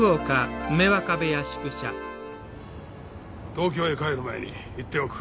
東京へ帰る前に言っておく。